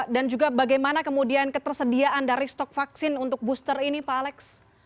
dan juga bagaimana kemudian ketersediaan dari stok vaksin untuk booster ini pak alex